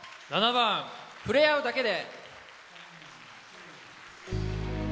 ７番「ふれあうだけで」。